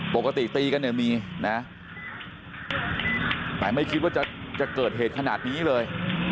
ปกติตีกันเนี่ยมีนะแต่ไม่คิดว่าจะเกิดเหตุขนาดนี้เลย